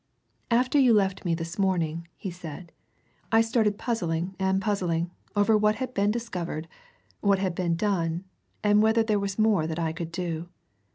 "After you left me this morning," he said, "I started puzzling and puzzling over what had been discovered, what had been done, whether there was more that I could do.